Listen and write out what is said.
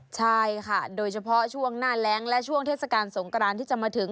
ใช่ค่ะโดยเฉพาะช่วงหน้าแรงและช่วงเทศกาลสงกรานที่จะมาถึง